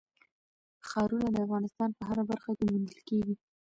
ښارونه د افغانستان په هره برخه کې موندل کېږي.